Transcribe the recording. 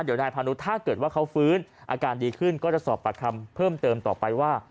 เดี๋ยวนายพานุถ้าเกิดว่าเขาฟื้นอาการดีขึ้นก็จะสอบปากคำเพิ่มเติมต่อไปว่า